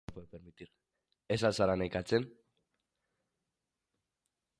Ez al zara nekatzen?